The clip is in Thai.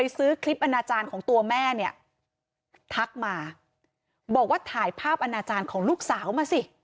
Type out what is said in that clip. ซื้อคลิปอนาจารย์ของตัวแม่เนี่ยทักมาบอกว่าถ่ายภาพอนาจารย์ของลูกสาวมาสิ